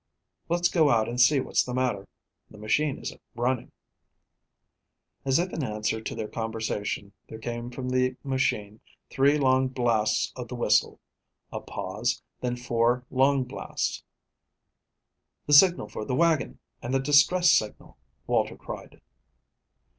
Let's go out and see what's the matter. The machine isn't running." As if in answer to their conversation, there came from the machine three long blasts of the whistle, a pause, then four long blasts. "The signal for the wagon, and the distress signal," Walter cried.